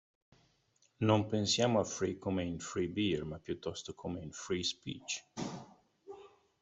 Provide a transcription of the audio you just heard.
Non pensiamo a "free" come in "free beer", ma piuttosto come in "free speech".